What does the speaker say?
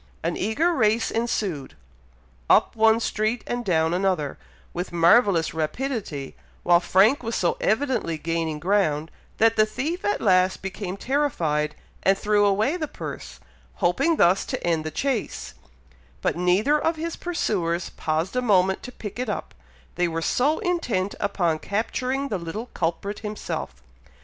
An eager race ensued, up one street, and down another, with marvellous rapidity, while Frank was so evidently gaining ground, that the thief at last became terrified, and threw away the purse, hoping thus to end the chase; but neither of his pursuers paused a moment to pick it up, they were so intent upon capturing the little culprit himself.